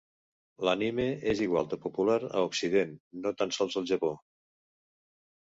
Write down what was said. L'anime és igual de popular a occident, no tan sols al Japó.